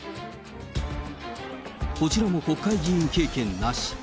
こちらも国会議員経験なし。